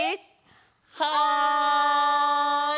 はい！